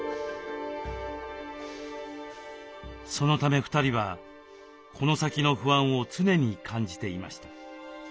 そのため２人はこの先の不安を常に感じていました。